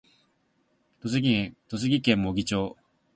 栃木県茂木町